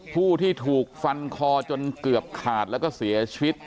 ผู้ที่ถูกฟันคอจนเกือบขาดแล้วก็เสียชีวิต